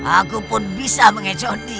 aku pun bisa mengecoh dia